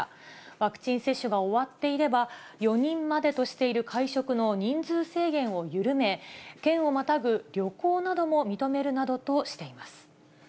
ワクチン接種が終わっていれば、４人までとしている会食の人数制限を緩め、県をまたぐ旅行なども認めるなどとしています。